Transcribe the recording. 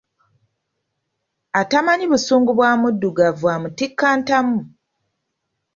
Atamanyi busungu bwa Muddugavu amutikka ntamu.